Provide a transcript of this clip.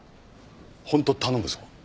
ホント頼むぞ。